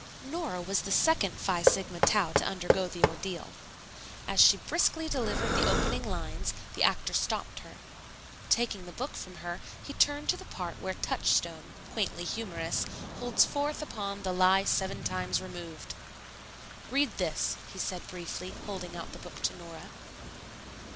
Nora was the second Phi Sigma Tau to undergo the ordeal. As she briskly delivered the opening lines, the actor stopped her. Taking the book from her, he turned to the part where Touchstone, quaintly humorous, holds forth upon "the lie seven times removed." "Read this," he said briefly, holding out the book to Nora.